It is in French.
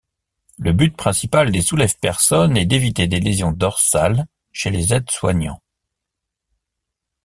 Le but principal des soulève-personnes est d’éviter les lésions dorsales chez les aides-soignants.